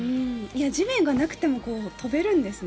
地面がなくても跳べるんですね。